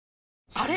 あれ？